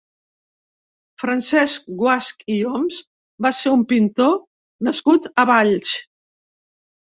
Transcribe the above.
Francesc Guasch i Homs va ser un pintor nascut a Valls.